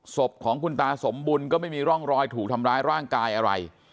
ศพของคุณตาสมบุญก็ไม่มีร่องรอยถูกทำร้ายร่างกายอะไร